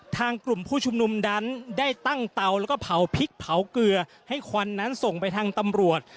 ทางกลุ่มผู้ชุมนุมนั้นได้ตั้งเตาแล้วก็เผาพริกเผาเกลือให้ควันนั้นส่งไปทางตำรวจ